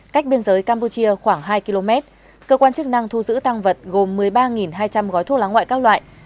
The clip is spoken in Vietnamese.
cách biên giới campuchia khoảng hai km cơ quan chức năng thu giữ tăng vật gồm một mươi ba hai trăm linh gói thuốc lá ngoại các loại